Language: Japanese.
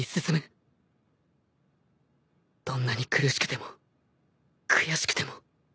どんなに苦しくても悔しくても。